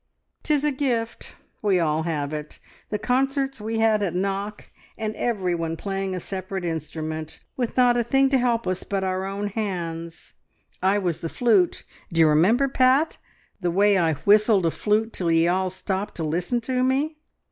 "'Tis a gift; we all have it. The concerts we had at Knock, and every one playing a separate instrument, with not a thing to help us but our own hands! I was the flute. D'ye remember, Pat, the way I whistled a flute till ye all stopped to listen to me?"